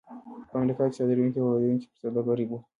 په امریکا کې صادروونکي او واردوونکي پر سوداګرۍ بوخت وو.